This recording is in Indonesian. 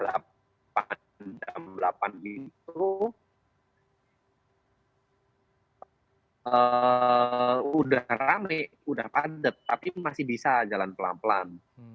jam delapan itu udah ramai sudah padat tapi masih bisa jalan pelan pelan